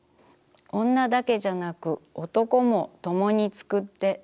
女だけじゃなく男も共につくって。